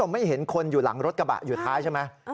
ไม่เห็นคนอยู่หลังรถกระบะอยู่ท้ายใช่ไหม